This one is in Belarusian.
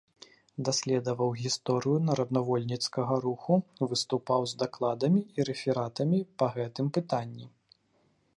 Даследаваў гісторыю нарадавольніцкага руху, выступаў з дакладамі і рэфератамі па гэтым пытанні.